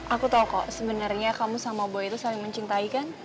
aku tau kok sebenernya kamu sama boy tuh saling mencintai kan